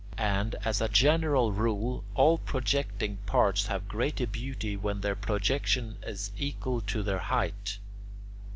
] And as a general rule, all projecting parts have greater beauty when their projection is equal to their height.